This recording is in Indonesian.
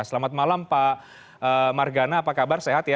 selamat malam pak margana apa kabar sehat ya